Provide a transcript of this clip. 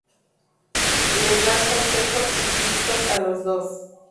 Les da consejos y pistas a los dos.